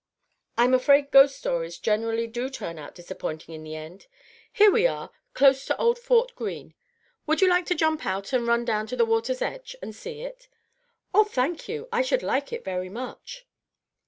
"I'm afraid ghost stories generally do turn out disappointing in the end. Here we are, close to old Fort Greene. Would you like to jump out, and run down to the water's edge and see it?" "Oh, thank you, I should like it ever so much."